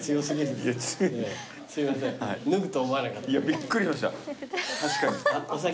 びっくりしました。